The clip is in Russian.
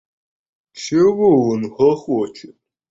— Чего он хохочет?